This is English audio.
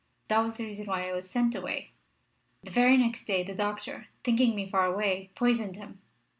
That was the reason why I was sent away. The very next day the doctor, thinking me far away, poisoned him.